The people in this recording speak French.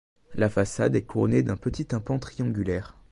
La façade est couronnée d'un petit tympan triangulaire.